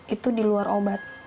itu di luar obat